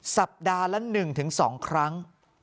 สัปดาห์ละ๑๒ครั้ง